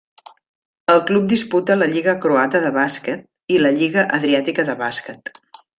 El club disputa la lliga croata de bàsquet i la lliga Adriàtica de bàsquet.